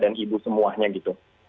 dan ibu semuanya gitu